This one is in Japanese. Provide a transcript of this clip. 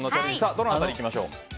どの辺りに行きましょう？